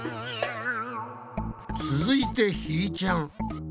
続いてひーちゃん。